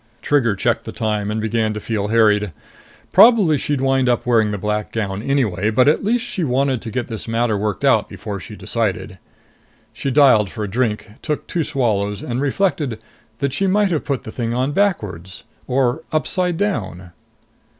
Trigger checked the time and began to feel harried. Probably she'd wind up wearing the black gown anyway, but at least she wanted to get this matter worked out before she decided. She dialed for a drink, took two swallows and reflected that she might have put the thing on backwards. Or upside down.